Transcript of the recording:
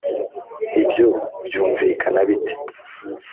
ibyo byumvikana bite?